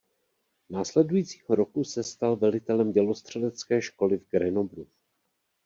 Následujícího roku se stal velitelem dělostřelecké školy v Grenoblu.